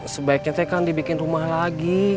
sebaiknya kan dibikin rumah lagi